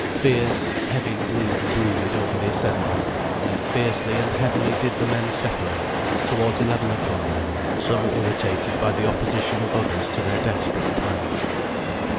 Fierce, heavy gloom brooded over the assembly; and fiercely and heavily did the men separate, towards eleven o'clock, some irritated by the opposition of others to their desperate plans.